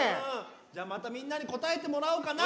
じゃあまたみんなにこたえてもらおうかな。